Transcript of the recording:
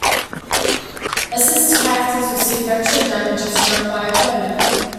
Assist characters receive extra damage if struck by the opponent.